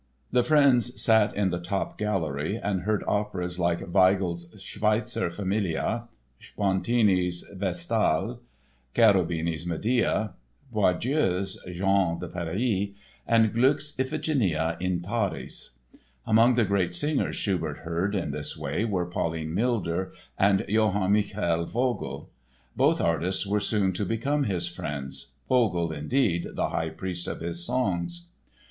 The friends sat in the top gallery and heard operas like Weigl's Schweizerfamilie, Spontini's Vestale, Cherubini's Medea, Boieldieu's Jean de Paris and Gluck's Iphigenia in Tauris. Among the great singers Schubert heard in this way were Pauline Milder and Johann Michael Vogl. Both artists were soon to become his friends—Vogl, indeed, the high priest of his songs.